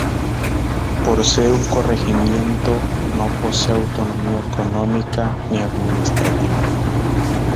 Por ser un corregimiento, no posee autonomía económica, ni administrativa.